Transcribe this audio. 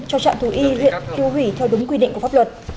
cho trạm thù y huyện cứu hủy theo đúng quy định của pháp luật